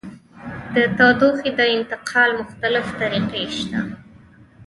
د تودوخې د انتقال مختلفې طریقې شته.